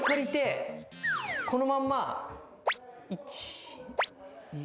このまんま１２。